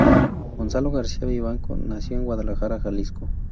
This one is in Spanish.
Gonzalo García Vivanco nació en Guadalajara, Jalisco.